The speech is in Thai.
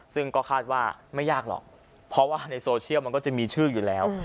ซึ่งก็คาดว่าไม่ยากหรอกเพราะว่าในโซเชียลมันก็จะมีชื่ออยู่แล้ว